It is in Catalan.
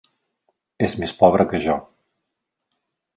És més pobre que jo.